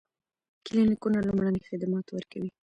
کلینیکونه لومړني خدمات ورکوي